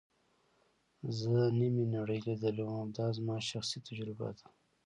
زه نیمه نړۍ لیدلې وم او دا زما شخصي تجربه ده.